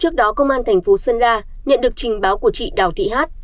trước đó công an thành phố sơn la nhận được trình báo của chị đào thị hát